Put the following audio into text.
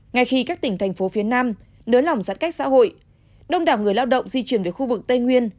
ngay khi các tỉnh thành phố phía nam nới lỏng giãn cách xã hội đông đảo người lao động di chuyển về khu vực tây nguyên